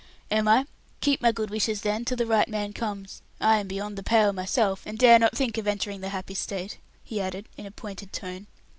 "Am I? Keep my good wishes, then, till the right man comes. I am beyond the pale myself, and dare not think of entering the happy state," he added, in a pointed tone.